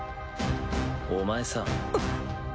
お前さ。